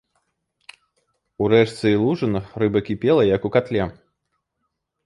У рэчцы і лужынах рыба кіпела, як у катле.